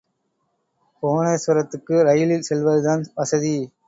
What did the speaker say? புவனேஸ்வரத்துக்கு ரயிலில் செல்வதுதான் வசதி.